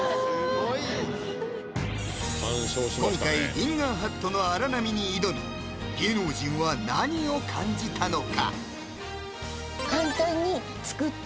今回リンガーハットの荒波に挑み芸能人は何を感じたのか？